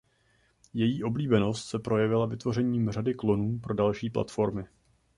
Její oblíbenost se projevila vytvořením řady klonů pro další platformy.